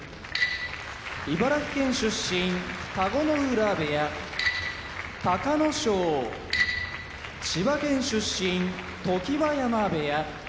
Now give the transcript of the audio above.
茨城県出身田子ノ浦部屋隆の勝千葉県出身常盤山部屋